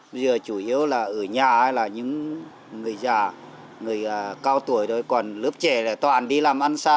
bây giờ chủ yếu là ở nhà là những người già người cao tuổi rồi còn lớp trẻ là toàn đi làm ăn xa